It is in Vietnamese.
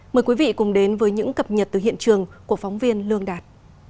mời quý vị cùng đến với những cập nhật từ hiện trường của phóng viên lương đạt